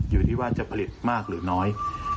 อยู่ที่ว่าจะผลิตมากหรือน้อย